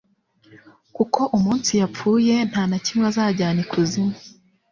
kuko umunsi yapfuye nta na kimwe azajyana ikuzimu